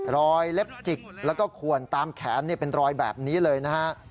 เล็บจิกแล้วก็ขวนตามแขนเป็นรอยแบบนี้เลยนะฮะ